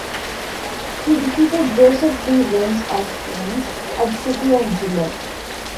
He defeated Joseph De Vins' Austrians at city of Gilette.